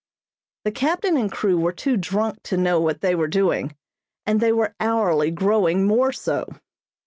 The captain and crew were too drunk to know what they were doing, and they were hourly growing more so.